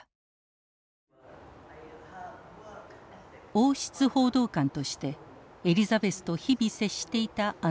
王室報道官としてエリザベスと日々接していたアンダーソン。